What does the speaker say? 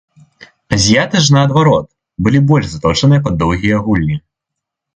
Азіяты ж, наадварот, былі больш заточаныя пад доўгія гульні.